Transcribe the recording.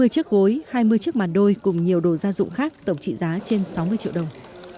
hai mươi chiếc gối hai mươi chiếc màn đôi cùng nhiều đồ gia dụng khác tổng trị giá trên sáu mươi triệu đồng